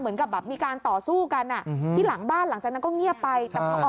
เหมือนกับมีการต่อสู้กันที่หลังบ้านหลังจากนั้นก็เงียบไป